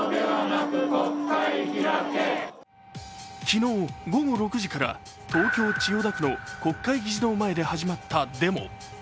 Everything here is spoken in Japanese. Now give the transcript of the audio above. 昨日午後６時から東京・千代田区の国会議事堂前で始まったデモ。